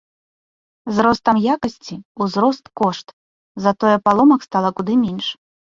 З ростам якасці узрос кошт, затое паломак стала куды менш.